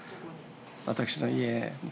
私の家。